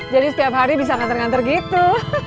jadi setiap hari bisa nganter nganter gitu